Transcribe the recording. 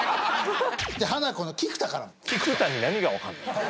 ハナコの菊田から。